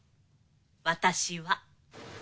私は。